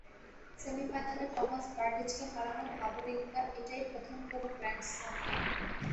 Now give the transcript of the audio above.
সেমিফাইনালে টমাস বার্ডিচকে হারানো ভাভরিঙ্কার এটাই প্রথম কোনো গ্র্যান্ড স্লাম ফাইনাল।